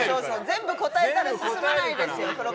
全部答えたら進まないですよ黒川さん。